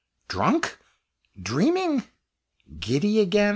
drunk? dreaming? giddy again?